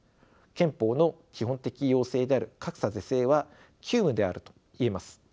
憲法の基本的要請である格差是正は急務であると言えます。